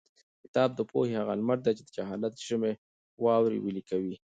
کتاب د پوهې هغه لمر دی چې د جهالت د ژمي واورې ویلي کوي.